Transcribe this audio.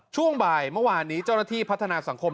ช่วงบ่ายเมื่อวานนี้เจ้าหน้าที่พัฒนาสังคม